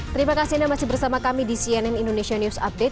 terima kasih anda masih bersama kami di cnn indonesia news update